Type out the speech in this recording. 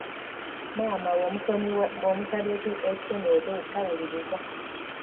Maama bwomusaba ekisomyiwo tawuliriza.